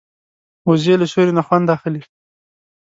وزې له سیوري نه خوند اخلي